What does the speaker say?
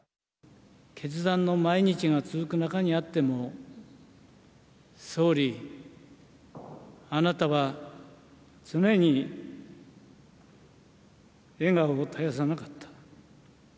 決断の毎日が続く中にあっても、総理、あなたは常に笑顔を絶やさなかった。